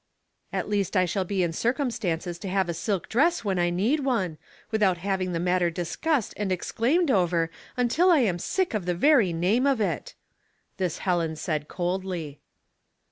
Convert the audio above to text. " At least I shall be in circumstances to have a silk dress when I need one, without having the matter discussed and exclaimed over until I am sick of the very name of it." This Helen said coldly.